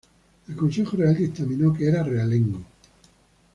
El Consejo Real dictaminó que era realengo.